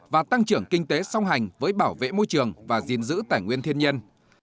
và tăng trưởng kinh tế song hành với bảo vệ môi trường và gìn giữ tài nguyên thiên nhiên